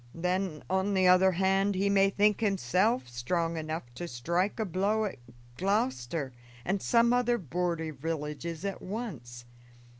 Then, on the other hand, he may think himself strong enough to strike a blow at Gloucester and some other border villages at once.